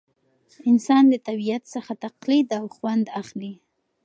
انسان له طبیعت څخه تقلید او خوند اخلي.